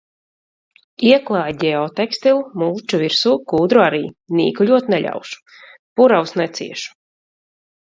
Ieklāj ģeotekstilu, mulču virsū, kūdru arī, nīkuļot neļaušu. Puravus neciešu.